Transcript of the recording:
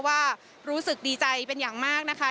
ว่ารู้สึกดีใจเป็นอย่างมากนะคะ